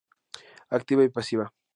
Activa y pasiva.